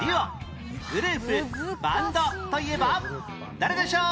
誰でしょう？